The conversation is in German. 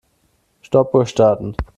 Stoppuhr starten.